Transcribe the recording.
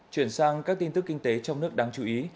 chuyển sang các tin tức kinh tế trong nước đáng chú ý